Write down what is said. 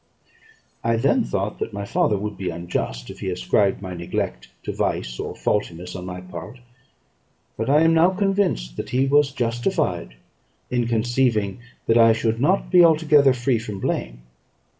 I then thought that my father would be unjust if he ascribed my neglect to vice, or faultiness on my part; but I am now convinced that he was justified in conceiving that I should not be altogether free from blame.